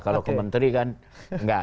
kalau ke menteri kan enggak